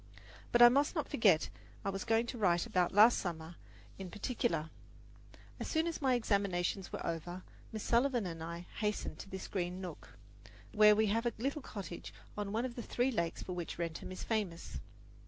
But I must not forget that I was going to write about last summer in particular. As soon as my examinations were over, Miss Sullivan and I hastened to this green nook, where we have a little cottage on one of the three lakes for which Wrentham is famous.